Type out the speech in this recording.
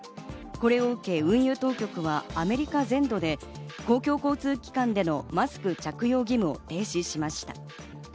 これを受け運輸当局は、アメリカ全土で公共交通機関でのマスク着用義務を停止しました。